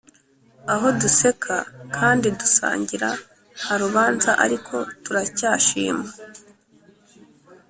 aho duseka kandi dusangira nta rubanza ariko turacyashima.